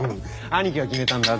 兄貴が決めたんだ。